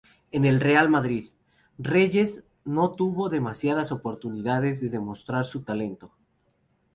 En el Real Madrid, Reyes no tuvo demasiadas oportunidades de demostrar su talento.